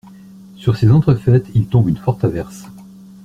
Sur ces entrefaites, il tombe une forte averse.